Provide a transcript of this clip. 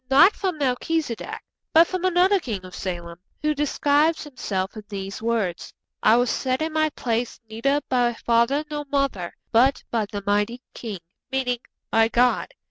Not from Melchizedek, but from another king of Salem, who describes himself in these words: 'I was set in my place neither by father nor mother, but by the Mighty King' meaning 'by God.'